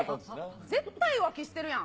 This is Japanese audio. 絶対浮気してるやん。